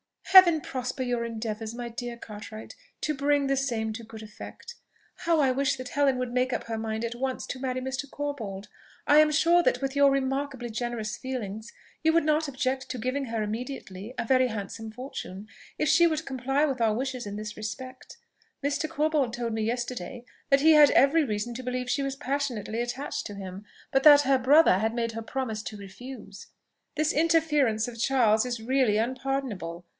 "Heaven prosper your endeavours, my dear Cartwright, to bring the same to good effect! How I wish that Helen would make up her mind at once to marry Mr. Corbold! I am sure that, with your remarkably generous feelings, you would not object to giving her immediately a very handsome fortune if she would comply with our wishes in this respect. Mr. Corbold told me yesterday that he had every reason to believe she was passionately attached to him, but that her brother had made her promise to refuse. This interference of Charles is really unpardonable!